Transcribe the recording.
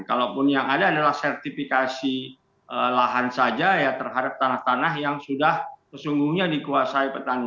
kalaupun yang ada adalah sertifikasi lahan saja ya terhadap tanah tanah yang sudah sesungguhnya dikuasai petani